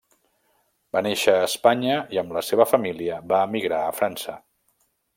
Va néixer a Espanya i amb la seva família va emigrar a França.